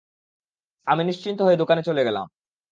আমি নিশ্চিন্ত হয়ে দোকানে চলে গেলাম।